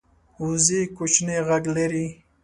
وزې کوچنی غږ لري